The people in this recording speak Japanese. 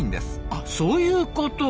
あそういうこと。